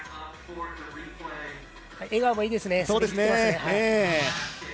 笑顔もいいですね。